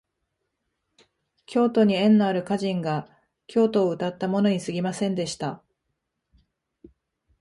京都に縁のある歌人が京都をうたったものにすぎませんでした